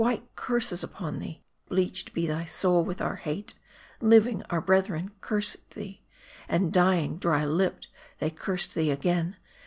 white curses upon thee ! Bleached be thy soul with our "hate ! Living, our brethren cursed thee ; and dying, dry lipped, they cursed thee again.